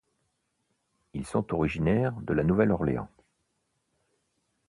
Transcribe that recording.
Ils sont originaires de La Nouvelle-Orléans.